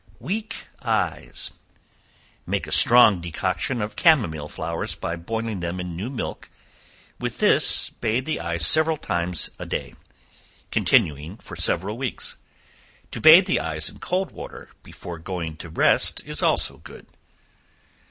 Weak Eyes. Make a strong decoction of chamomile flowers, by boiling them in new milk; with this bathe the eyes several times a day continue it for several weeks; to bathe the eyes in cold water before going to rest, is also good.